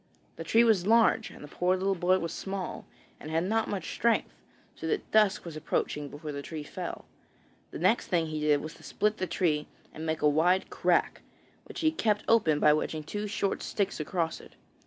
The tree was large, and the poor little boy was small, and had not much strength, so that dusk was approaching before the tree fell. The next thing he did was to split the tree and make a wide crack, which he kept open by wedging two short sticks across it.